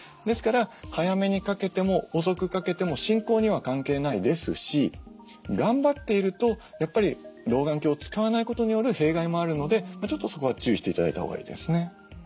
ですから早めに掛けても遅く掛けても進行には関係ないですし頑張っているとやっぱり老眼鏡を使わないことによる弊害もあるのでちょっとそこは注意して頂いたほうがいいですね。